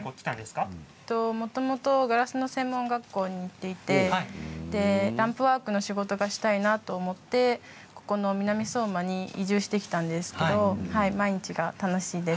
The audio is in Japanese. もともとガラスの専門学校に行っていてランプワークの仕事がしたいなと思ってここの南相馬に移住してきました。